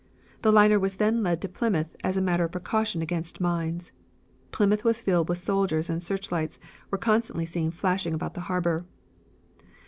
The liner then was led into Plymouth as a matter of precaution against mines. Plymouth was filled with soldiers and searchlights were seen constantly flashing about the harbor.